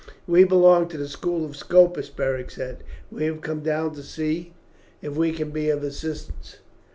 "We belong to the school of Scopus," Beric said. "We have come down to see if we can be of assistance.